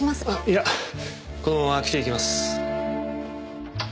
いやこのまま着ていきます。